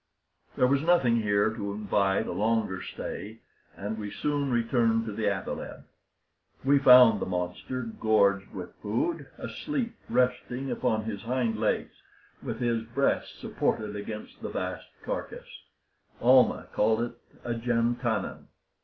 There was nothing here to invite a longer stay, and we soon returned to the athaleb. We found the monster, gorged with food, asleep, resting upon his hind legs, with his breast supported against the vast carcass. Almah called it a jantannin.